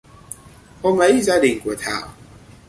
hôm ấy gia đình của thảo